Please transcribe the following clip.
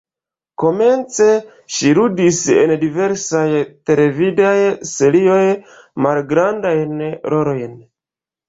Komence ŝi ludis en diversaj televidaj serioj, malgrandajn rolojn.